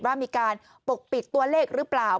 ว่ามีการปกปิดตัวเลขหรือเปล่า